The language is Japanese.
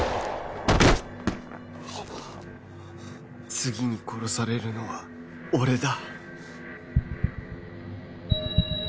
次に殺されるのは俺だ